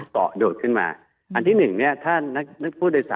เมื่อกี่เหรออยู่ที่ตะดวกขึ้นมา